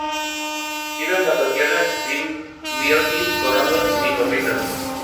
Viven bajo tierra en simbiosis con hongos micorrizas.